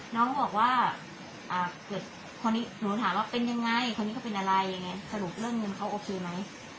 น้องบอกว่าอ่าเป็นยังไงคนนี้ก็เป็นอะไรสรุปเรื่องเงินเขาโอเคไหม